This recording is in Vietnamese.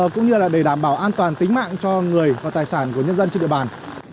cũng như là để đảm bảo an toàn tính mạng cho người và tài sản của nhân dân trên địa bàn